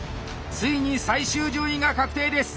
ついに最終順位が確定です！